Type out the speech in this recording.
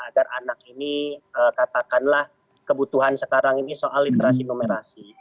agar anak ini katakanlah kebutuhan sekarang ini soal literasi numerasi